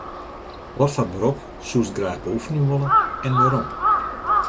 Watfoar berop soest graach beoefenje wolle en wêrom?